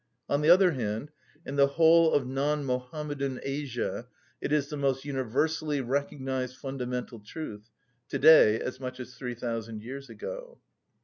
On the other hand, in the whole of non‐Mohammedan Asia it is the most universally recognised fundamental truth, to‐day as much as three thousand years ago.